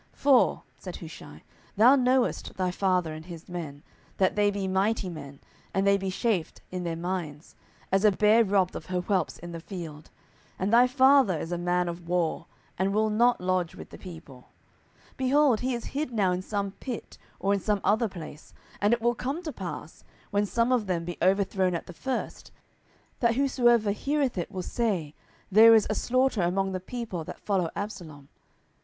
10:017:008 For, said Hushai, thou knowest thy father and his men, that they be mighty men, and they be chafed in their minds, as a bear robbed of her whelps in the field: and thy father is a man of war, and will not lodge with the people. 10:017:009 Behold, he is hid now in some pit, or in some other place: and it will come to pass, when some of them be overthrown at the first, that whosoever heareth it will say, There is a slaughter among the people that follow Absalom.